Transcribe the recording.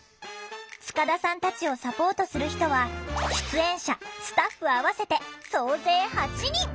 塚田さんたちをサポートする人は出演者スタッフ合わせて総勢８人！